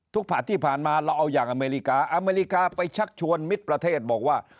ผัดที่ผ่านมาเราเอาอย่างอเมริกาอเมริกาไปชักชวนมิตรประเทศบอกว่า